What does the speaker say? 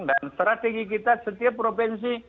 dan strategi kita setiap provinsi